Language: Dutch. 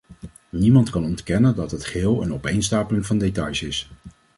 Niemand kan ontkennen dat het geheel een opeenstapeling van details is.